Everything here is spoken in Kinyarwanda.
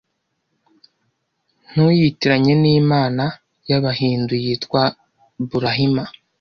ntuyitiranye n’imana y’Abahindu yitwa Burahima